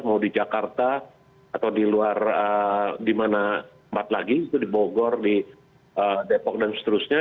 mau di jakarta atau di luar di mana tempat lagi itu di bogor di depok dan seterusnya